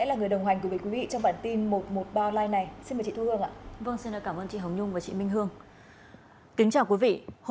hãy đăng ký kênh để ủng hộ kênh của chúng mình nhé